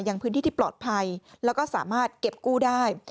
ยังพื้นที่ที่ปลอดภัยแล้วก็สามารถเก็บกู้ได้